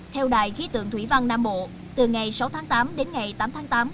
theo đài khí tượng thủy văn nam bộ từ ngày sáu tháng tám đến ngày tám tháng tám